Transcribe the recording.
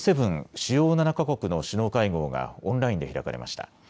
・主要７か国の首脳会合がオンラインで開かれました。